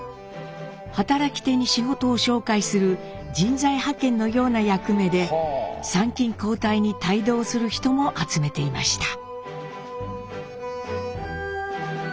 働き手に仕事を紹介する人材派遣のような役目で参勤交代に帯同する人も集めていました。